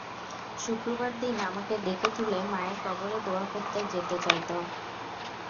শুক্রবার দিন আমাকে ডেকে তুলে মায়ের কবরে দোয়া করতে যেতে চাইত।